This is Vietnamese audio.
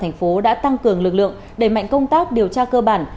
thành phố đã tăng cường lực lượng đẩy mạnh công tác điều tra cơ bản